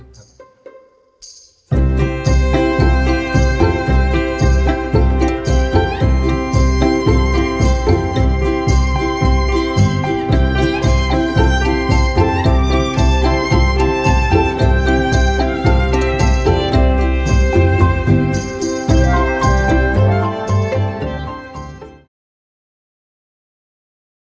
โปรดติดตามตอนต่อไป